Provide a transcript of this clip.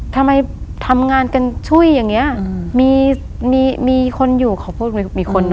ทำไมทำงานกันช่วยอย่างเงี้มีมีคนอยู่เขาพูดมีคนดู